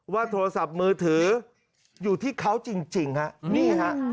ว่าโทรศัพท์มือถืออยู่ที่เขาจริงนี่ครับ